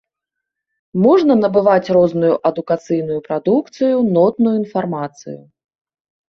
Можна набываць розную адукацыйную прадукцыю, нотную інфармацыю.